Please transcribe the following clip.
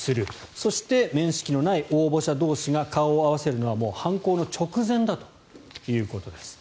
そして、面識のない応募者同士が顔を合わせるのはもう犯行の直前だということです。